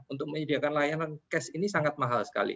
untuk menyediakan layanan cash ini sangat mahal sekali